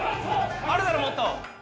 あるだろもっと。